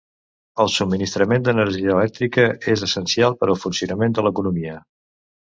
El subministrament d'energia elèctrica és essencial per al funcionament de l'economia.